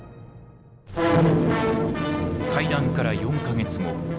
会談から４か月後。